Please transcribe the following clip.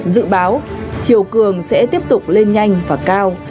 dự báo chiều cường sẽ tiếp tục lên nhanh và cao